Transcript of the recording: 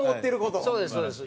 そうですそうです。